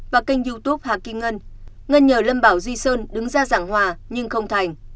và kênh youtube hà kim ngân ngân nhờ lâm bảo duy sơn đứng ra giảng hòa nhưng không thành